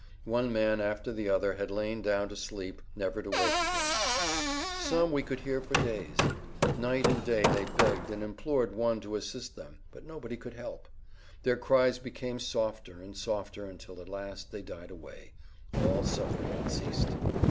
One man after the other had lain down to sleep, never to awake again. Some we could hear for days; night and day they begged and implored one to assist them, but nobody could help. Their cries [Pg 125]became softer and softer until at last they died away—all suffering had ceased.